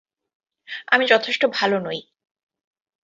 আমি যথেষ্ট ভালো নই!